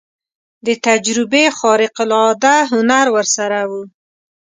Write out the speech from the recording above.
د تجربې خارق العاده هنر ورسره و.